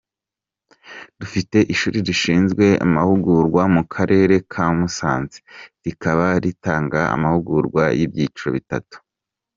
Dufite ishuri rishinzwe amahugurwa mu karere ka Musanze rikaba ritanga amahugurwa y’ibyiciro bitatu.